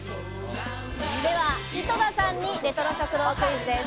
では井戸田さんにレトロ食堂クイズです。